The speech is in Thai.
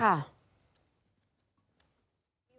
ครับ